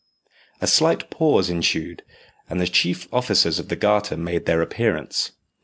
A slight pause ensued, and the chief officers of the Garter made their appearance.